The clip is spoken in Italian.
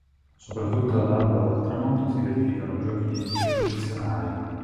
Soprattutto all'alba o al tramonto si verificano giochi di luci eccezionali.